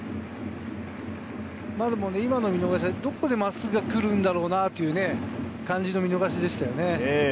丸も今の見逃しはどこで真っすぐが来るんだろうなという感じの見逃しでしたね。